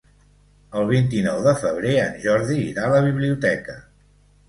El vint-i-nou de febrer en Jordi irà a la biblioteca.